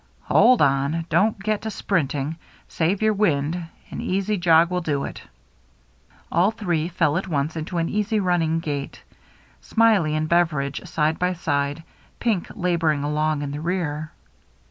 "Hold on, don't get to sprinting. Save your wind. An easy jog will do it." All three fell at once into an easy running gait. Smiley and Beveridge side by side. Pink laboring along in the rear.